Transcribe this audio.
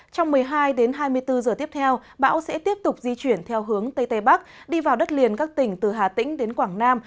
trong một mươi hai đến hai mươi bốn giờ tiếp theo bão sẽ tiếp tục di chuyển theo hướng tây tây bắc đi vào đất liền các tỉnh từ hà tĩnh đến quảng nam